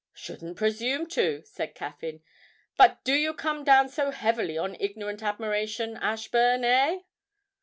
'Shouldn't presume to,' said Caffyn. 'But do you come down so heavily on ignorant admiration, Ashburn, eh?'